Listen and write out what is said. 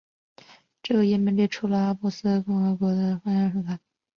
这个页面列出了阿布哈兹共和国邦交国在阿布哈兹的外交使团。